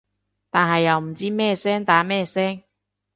但係又唔知咩聲打咩聲